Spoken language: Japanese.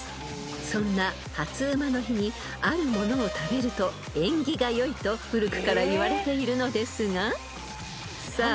［そんな初午の日にあるものを食べると縁起が良いと古くからいわれているのですがさあ